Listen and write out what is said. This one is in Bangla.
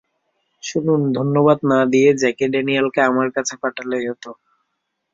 শুনুন, ধন্যবাদ না দিয়ে জ্যাকি ড্যানিয়েলকে আমার কাছে পাঠালেই হতো।